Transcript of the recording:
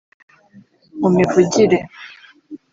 mu mivugire